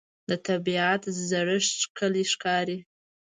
د طبیعت زړښت ښکلی ښکاري